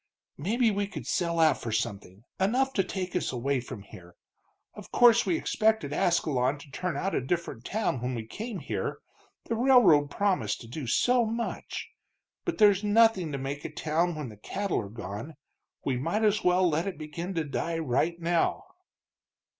"Maybe we could sell out for something, enough to take us away from here. Of course we expected Ascalon to turn out a different town when we came here, the railroad promised to do so much. But there's nothing to make a town when the cattle are gone. We might as well let it begin to die right now."